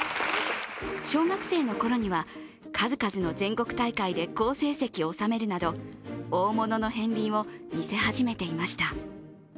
小学生のころには数々の全国大会で好成績を収めるなど大物の片りんを見せ始めていました。